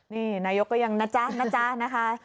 นี่นายกงี้นะจ๊ะนะคะ